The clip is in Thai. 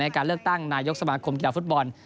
การเลือกตั้งนายกสมาคมกีฬาฟุตบอล